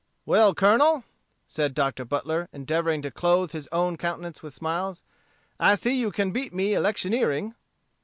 "Well, Colonel," said Dr. Butler, endeavoring to clothe his own countenance with smiles, "I see you can beat me electioneering."